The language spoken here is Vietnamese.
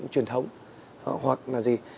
truyền thống hoặc là gì